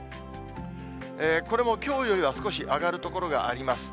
これもきょうよりは少し上がる所があります。